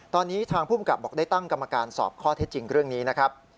ตอนนี้ทางภูมิกับบอกได้ตั้งกรรมการสอบข้อเท็จจริงเรื่องนี้นะครับ